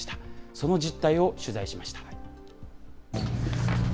その実態を取材しました。